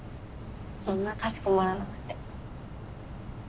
そんなかしこまらなくて。